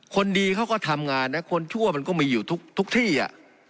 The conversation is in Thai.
คนดีเขาก็ทำงานนะคนชั่วมันก็มีอยู่ทุกที่อ่ะ